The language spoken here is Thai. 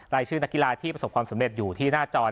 รายชื่อนักกีฬาที่ประสบความสำเร็จอยู่ที่หน้าจอ